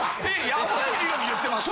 ヤバい理論言ってますよ。